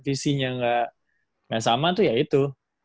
visinya nggak sama tuh ya itu